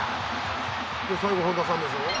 で最後本田さんでしょ。